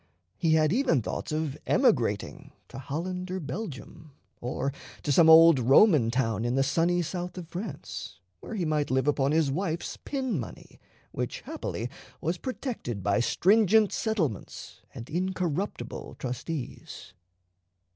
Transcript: He had even thoughts of emigrating to Holland or Belgium, or to some old Roman town in the sunny South of France, where he might live upon his wife's pin money, which happily was protected by stringent settlements and incorruptible trustees.